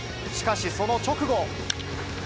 しかしその直後。